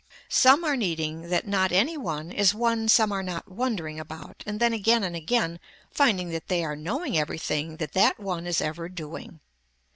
Some are needing that not any one is one some are not wondering about and then again and again finding that they are knowing everything that that one is ever doing.